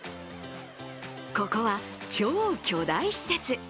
ここは超巨大施設。